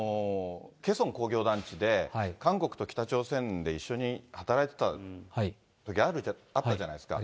ケソン工業団地で、韓国と北朝鮮で一緒に働いてたときあったじゃないですか。